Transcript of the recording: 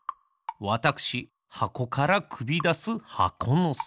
わたくしはこからくびだす箱のすけ。